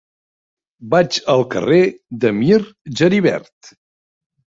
Vaig al carrer de Mir Geribert.